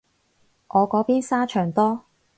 我嗰邊沙場多